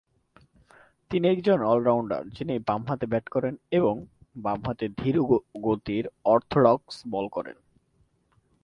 তিনি একজন অলরাউন্ডার যিনি বামহাতে ব্যাট করেন এবং বাম হাতের ধীর গতির অর্থোডক্স বোল করেন।